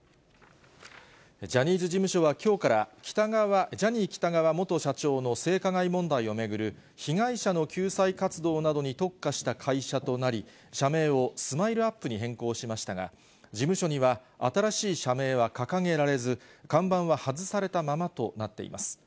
ジャニーズ事務所はきょうから、ジャニー喜多川元社長の性加害問題を巡る被害者の救済活動などに特化した会社となり、社名をスマイルアップに変更しましたが、事務所には、新しい社名は掲げられず、看板は外されたままとなっています。